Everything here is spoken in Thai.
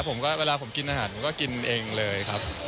เราก็เวลาผมกินอาหารก็กินเองเลยค่ะ